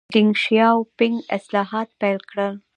ډینګ شیاؤ پینګ اصلاحات پیل کړل.